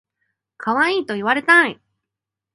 かわいいと言われたい